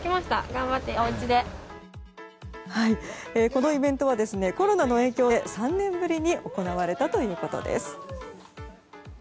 このイベントはコロナの影響で３年ぶりに行われたということです。